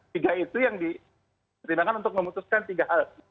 tiga itu yang dipertimbangkan untuk memutuskan tiga hal